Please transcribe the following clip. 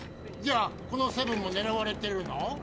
じゃあこのセブンもねらわれてるの？